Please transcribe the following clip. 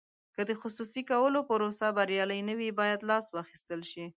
که د خصوصي کولو پروسه بریالۍ نه وي باید لاس واخیستل شي.